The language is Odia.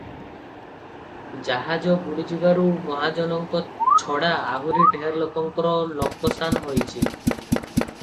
ଜାହାଜ ବୁଡ଼ିଯିବାରୁ ମହାଜନଙ୍କ ଛଡ଼ା ଆହୁରି ଢେର ଲୋକଙ୍କର ଲୋକସାନ ହୋଇଛି ।